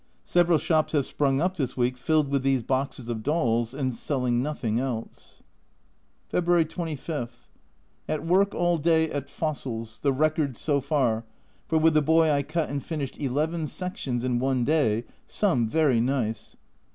Several shops have sprung up this week filled with these boxes of dolls, and selling nothing else. February 25. At work all day at fossils, the record so far, for with the boy I cut and finished eleven sections in one day, some very nice.